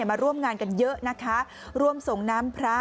มาร่วมงานกันเยอะนะคะร่วมส่งน้ำพระ